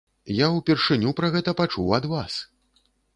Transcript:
Я ўпершыню пра гэта пачуў ад вас.